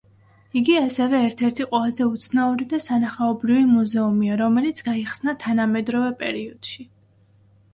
იგი ასევე ერთ-ერთი ყველაზე უცნაური და სანახაობრივი მუზეუმია, რომელიც გაიხსნა თანამედროვე პერიოდში.